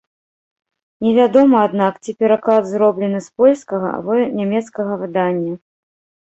Невядома, аднак, ці пераклад зроблены з польскага або нямецкага выдання.